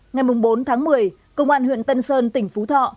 ngày bốn tháng một mươi công an huyện tân sơn tỉnh phú thọ